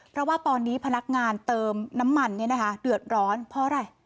เพราะว่าตอนนี้พนักงานเติมน้ำมันเนี่ยนะคะเดือดร้อนเพราะอะไร